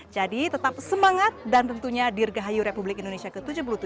jadi tetap semangat dan tentunya dirgahayu republik indonesia ke tujuh puluh tujuh